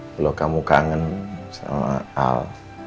kalau kamu kangen sama al